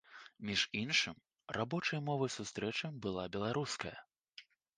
Між іншым, рабочай мовай сустрэчы была беларуская.